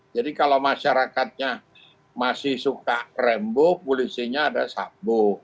jadi kalau masyarakatnya masih suka rembuk polisinya ada sabuk